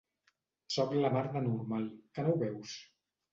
Sóc la mar de normal, que no ho veus?